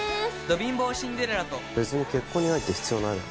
貧乏シンデレラと別に結婚に愛って必要ないだろ？